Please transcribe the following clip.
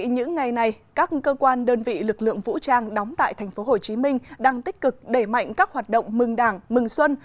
những ngày này các cơ quan đơn vị lực lượng vũ trang đóng tại tp hcm đang tích cực đẩy mạnh các hoạt động mừng đảng mừng xuân